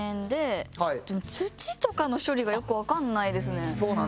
でも土とかの処理がよくわからないですね。